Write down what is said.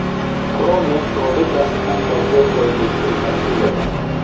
Krome troveblas ankaŭ verkoj de privatuloj.